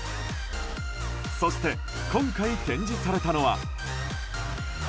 そして今回、展示されたのは。